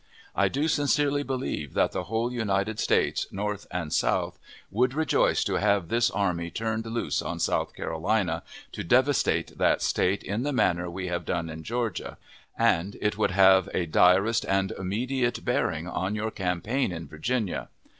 I do sincerely believe that the whole United States, North and South, would rejoice to have this army turned loose on South Carolina, to devastate that State in the manner we have done in Georgia, and it would have a direst and immediate bearing on your campaign in Virginia.